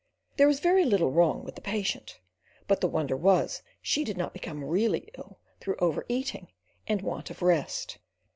There was very little wrong with the patient, but the wonder was she did not become really ill through over eating and want of rest.